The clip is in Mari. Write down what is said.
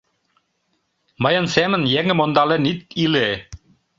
Мыйын семын еҥым ондален ит иле...